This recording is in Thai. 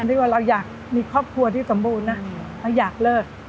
ที่ว่าเราอยากมีครอบครัวที่สมบูรณ์นะเราอยากเลิก